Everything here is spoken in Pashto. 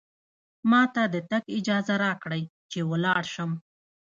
ما ته د تګ اجازه راکړئ، چې ولاړ شم.